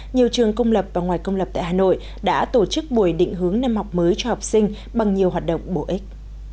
nhiều trường công lập và ngoài công lập tại hà nội đã tổ chức buổi định hướng năm học mới cho học sinh bằng nhiều hoạt động bổ ích